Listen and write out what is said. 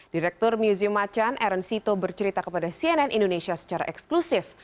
direktur museum macan aren sito bercerita kepada cnn indonesia secara eksklusif